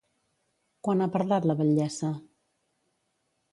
Quan ha parlat la batllessa?